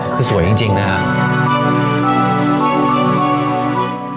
คือสวยจริงนะครับ